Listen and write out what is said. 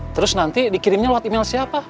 terus nanti dikirimnya lewat email siapa